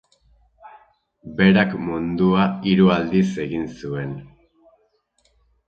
Berak mundua hiru aldiz egin zuen.